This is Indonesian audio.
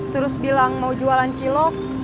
terus bilang mau jualan cilok